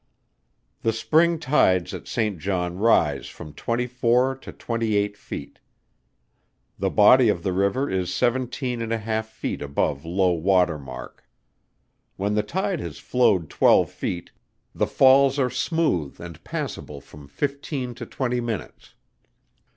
The spring tides at St. John rise from twenty four to twenty eight feet. The body of the river is seventeen and a half feet above low water mark. When the tide has flowed twelve feet, the falls are smooth and passable from fifteen to twenty minutes.